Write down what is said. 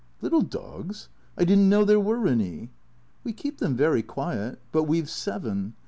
Little dogs ? I did n't know there were any." " We keep them very quiet ; but we 've seven.